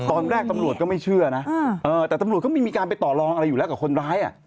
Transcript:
ตอนแรกตำรวจก็ไม่เชื่อนะแต่ตำรวจก็ไม่มีการไปต่อลองอะไรอยู่แล้วกับคนร้าย